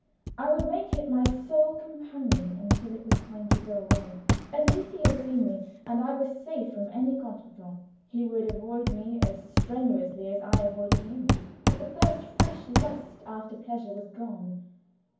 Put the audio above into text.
I would make it my sole companion until it was time to go away. At least he had seen me, and I was safe from any contretemps he would avoid me as strenuously as I avoided him. But the first fresh lust after pleasure was gone.